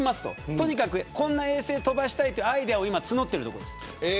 とにかくこんな衛星を飛ばしたいというアイデアを今、募っているところです。